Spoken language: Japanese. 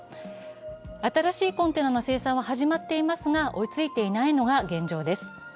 新しいコンテナの生産は始まっていますが、追いついていないのが現状です。